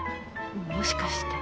もしかして。